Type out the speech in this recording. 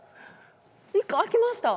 １個開きました。